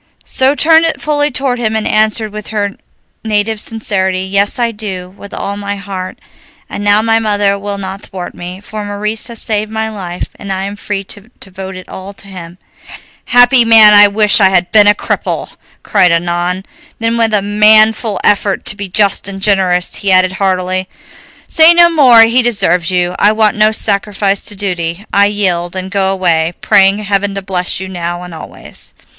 She turned it fully toward him and answered, with her native sincerity, "Yes, I do, with all my heart, and now my mother will not thwart me, for Maurice has saved my life, and I am free to devote it all to him." "Happy man, I wish I had been a cripple!" sighed Annon. Then with a manful effort to be just and generous, he added heartily, "Say no more, he deserves you; I want no sacrifice to duty; I yield, and go away, praying heaven to bless you now and always."